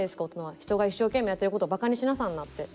人が一生懸命やってることをバカにしなさんなって。